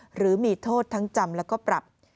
หรือมีโทษทั้งจำแล้วก็ปรับ